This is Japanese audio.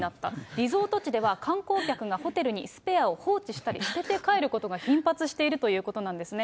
リゾート地では観光客がホテルにスペアを放置したり捨てて帰ることが頻発しているということなんですね。